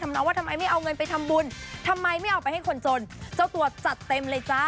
น้องว่าทำไมไม่เอาเงินไปทำบุญทำไมไม่เอาไปให้คนจนเจ้าตัวจัดเต็มเลยจ้า